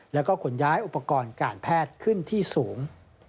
แล้วก็ขนย้ายอุปกรณ์การแพทย์ขึ้นที่สูง